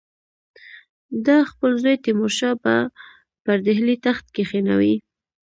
ده خپل زوی تیمورشاه به پر ډهلي تخت کښېنوي.